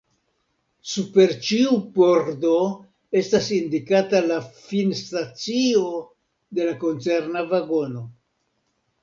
Super ĉiu pordo estas indikata la finstacio de la koncerna vagono.